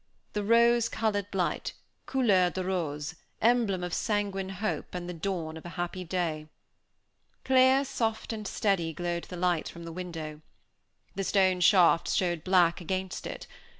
The rose colored light, couleur de rose, emblem of sanguine hope and the dawn of a happy day. Clear, soft, and steady, glowed the light from the window. The stone shafts showed black against it.